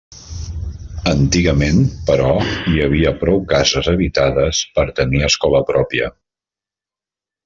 Antigament, però, hi havia prou cases habitades per tenir escola pròpia.